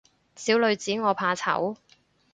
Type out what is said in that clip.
小女子我怕醜